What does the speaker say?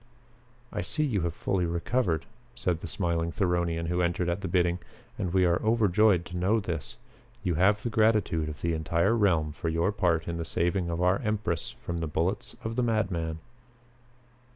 "I see you have fully recovered," said the smiling Theronian who entered at the bidding, "and we are overjoyed to know this. You have the gratitude of the entire realm for your part in the saving of our empress from the bullets of the madman."